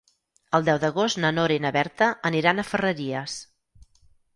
El deu d'agost na Nora i na Berta aniran a Ferreries.